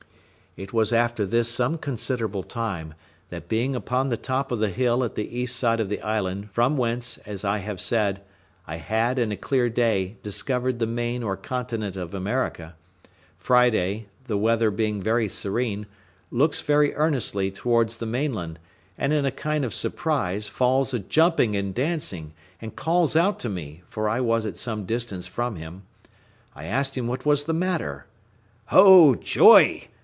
It was after this some considerable time, that being upon the top of the hill at the east side of the island, from whence, as I have said, I had, in a clear day, discovered the main or continent of America, Friday, the weather being very serene, looks very earnestly towards the mainland, and, in a kind of surprise, falls a jumping and dancing, and calls out to me, for I was at some distance from him. I asked him what was the matter. "Oh, joy!"